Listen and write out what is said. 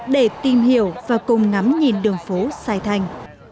để tìm hiểu và cùng ngắm nhìn đường phố sai thành